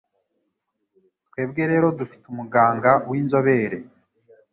Twebwe rero dufite umuganga w'inzobere